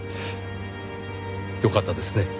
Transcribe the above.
よかったですね